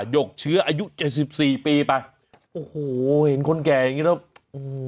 หกเชื้ออายุเจ็ดสิบสี่ปีไปโอ้โหเห็นคนแก่อย่างงี้แล้วอืม